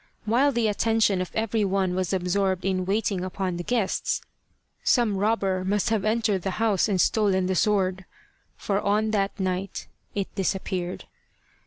While the attention of every one was absorbed in waiting upon the guests, some robber must have entered the house and stolen the sword, for on that night it disappeared.